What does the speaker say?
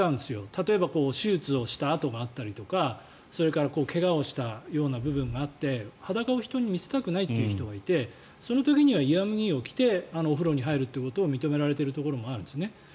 例えば手術をした痕があったり怪我をした部分があって裸を人に見せたくない人がいてその時には湯あみ着を着てお風呂に入ることを認められているところもあるんですね。